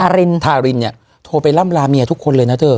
ทารินเนี่ยโทรไปล่ำลาเมียทุกคนเลยนะเธอ